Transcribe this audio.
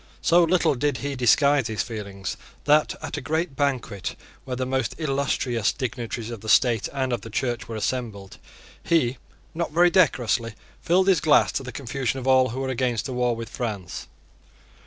So little did he disguise his feelings that, at a great banquet where the most illustrious dignitaries of the State and of the Church were assembled, he not very decorously filled his glass to the confusion of all who were against a war with France.